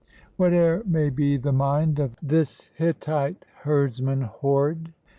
Whate'er may be the mind of this Hittite herdsman horde.